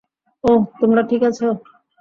ওহ, তোমরা ঠিক আছ।